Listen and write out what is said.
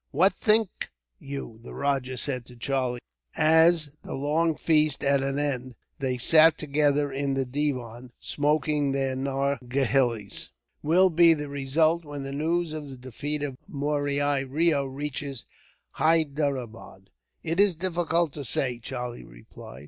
"What think you," the rajah said to Charlie, as, the long feast at an end, they sat together in the divan, smoking their narghileys, "will be the result, when the news of the defeat of Murari Reo reaches Hyderabad?" "It is difficult to say," Charlie replied.